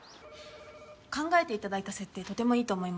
考えて頂いた設定とてもいいと思いました。